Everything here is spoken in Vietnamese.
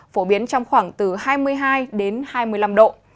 phổ biến trong khoảng từ hai mươi hai đến hai mươi năm độ